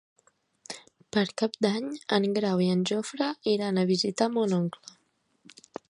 Per Cap d'Any en Grau i en Jofre iran a visitar mon oncle.